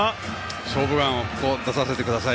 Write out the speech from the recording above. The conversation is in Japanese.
「勝負眼」を出させてください。